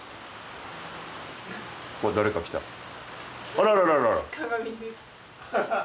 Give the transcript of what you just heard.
あららら！